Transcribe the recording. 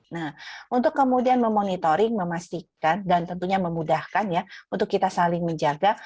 nah untuk kemudian memonitoring memastikan dan tentunya memudahkan ya untuk kita saling menjaga